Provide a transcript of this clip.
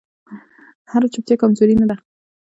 هره چوپتیا کمزوري نه ده